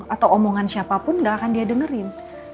atau omongan siapapun gak akan dia dengerin